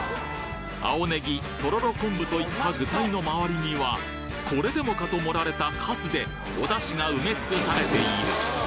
青ねぎとろろ昆布といった具材の周りにはこれでもかと盛られたかすでお出汁が埋め尽くされている！